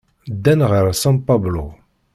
Ddan ɣer San Pablo.